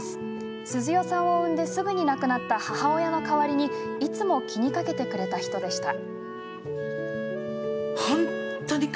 鈴代さんを産んですぐに亡くなった母親の代わりにいつも気にかけてくれた人でした。